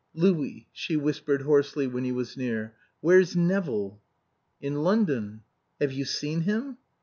"Louis," she whispered hoarsely when he was near, "where's Nevill?" "In London." "Have you seen him?"